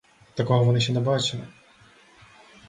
Такого вони ще не бачили.